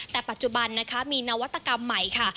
แต่ปัจจุบันนะคะมีนวัตกรรมใหม่ค่ะ